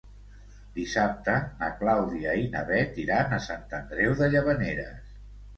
Dissabte na Clàudia i na Bet iran a Sant Andreu de Llavaneres.